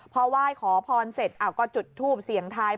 พอไหว้ขอพรเสร็จก็จุดทูปเสียงทาย